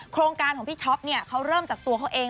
โครงการของพี่ท็อปเนี่ยเขาเริ่มจากตัวเขาเอง